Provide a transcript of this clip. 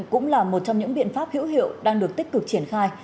cũng là một trong những biện pháp hữu hiệu đang được tích cực triển khai